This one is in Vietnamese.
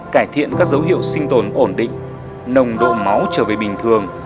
cải thiện các dấu hiệu sinh tồn ổn định nồng độ máu chống viêm